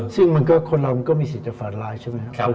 ซึ่งมันก็คนเรามันก็มีสิทธิ์จะฟันร้ายใช่ไหมครับ